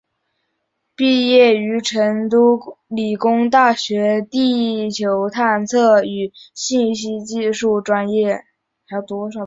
毕业于成都理工大学地球探测与信息技术专业。